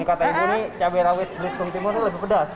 masa ini kata ibu cabai rawit belitung timur itu lebih pedas